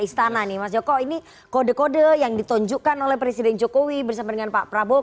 istana nih mas joko ini kode kode yang ditunjukkan oleh presiden jokowi bersama dengan pak prabowo